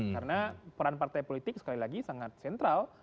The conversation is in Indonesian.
karena peran partai politik sekali lagi sangat sentral